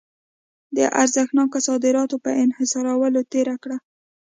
د ارزښتناکه صادراتو په انحصارولو تېره کړه.